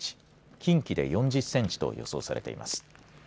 近畿で４０センチと予想されています。